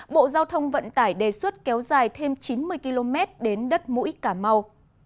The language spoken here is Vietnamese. bộ giao thông vận tải đề xuất kéo dài thêm chín mươi km đến đất mũi cà mau